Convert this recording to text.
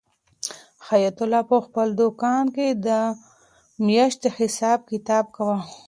حیات الله په خپل دوکان کې د میاشتې حساب کتاب کاوه.